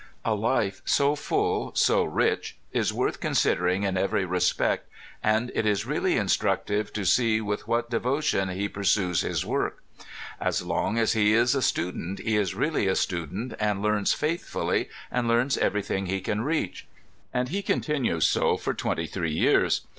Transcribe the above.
A life so full, so rich, is worth considering in every respect, and it is really instructive to see with what devotion he pursues his work. As long as he is a student he is really a student and learns faithfully, and learns everything he can reach. And he continues so for twenty three years.